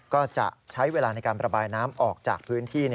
ก็จะใช้เวลาในการประบายน้ำออกจากพื้นที่